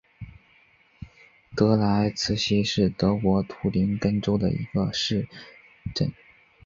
德赖茨希是德国图林根州的一个市镇。